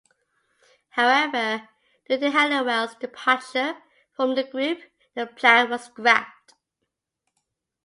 However, due to Halliwell's departure from the group, the plan was scrapped.